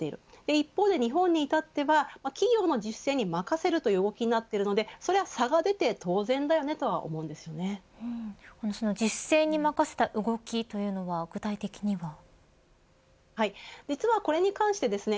一方で日本に至っては企業の自主性に任せるという動きになっているのでそれは差が出て自主性に任せた動きというのは実は、これに関してですね